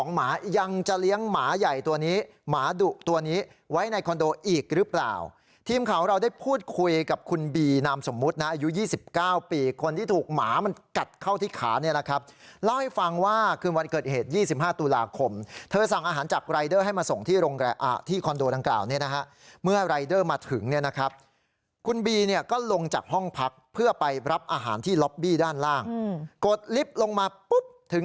หมายังจะเลี้ยงหมาใหญ่ตัวนี้หมาดุตัวนี้ไว้ในคอนโดอีกหรือเปล่าทีมข่าวเราได้พูดคุยกับคุณบีนามสมมุตินะอายุ๒๙ปีคนที่ถูกหมามันกัดเข้าที่ขาเนี่ยนะครับเล่าให้ฟังว่าคืนวันเกิดเหตุ๒๕ตุลาคมเธอสั่งอาหารจากรายเดอร์ให้มาส่งที่โรงแรงอ่ะที่คอนโดดังกล่าวเนี่ยนะฮะเมื่อรายเดอร์มาถึ